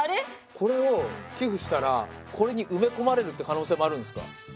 これを寄付したらこれに埋め込まれるって可能性もあるんですか？